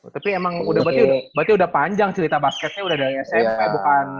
tapi emang berarti udah panjang cerita basketnya udah dari smp bukan